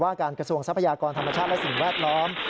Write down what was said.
การกระทรวงทรัพยากรธรรมชาติและสิ่งแวดล้อม